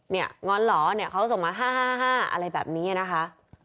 นี่งอนเหรอเขาก็ส่งมาฮ่าอะไรแบบนี้นะคะ